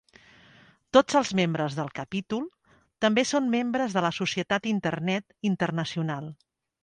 Tots els membres del capítol també són membres de la Societat d'Internet internacional.